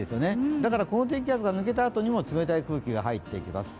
だからこの低気圧が抜けたあとにも冷たい空気が入っていきます。